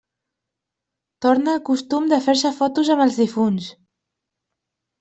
Torna el costum de fer-se fotos amb els difunts.